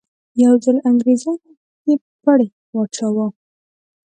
یو ځل انګریزانو په کې پړی واچاوه.